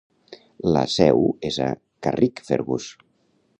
La seu és a Carrickfergus.